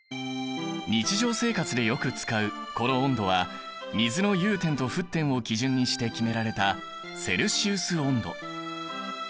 日常生活でよく使うこの温度は水の融点と沸点を基準にして決められたセルシウス温度。